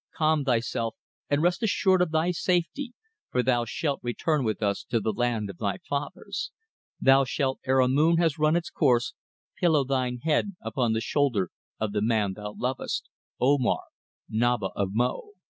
"Calm thyself and rest assured of thy safety, for thou shalt return with us to the land of thy fathers. Thou shalt, ere a moon has run its course, pillow thine head upon the shoulder of the man thou lovest, Omar, Naba of Mo."